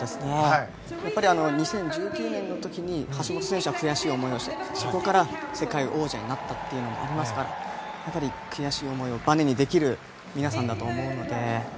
やっぱり２０１９年の時に橋本選手は悔しい思いをしてそこから世界王者になったということがありますからやっぱり悔しい思いをばねにできる皆さんだと思うので。